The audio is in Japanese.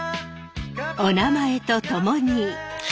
おなまえと共に。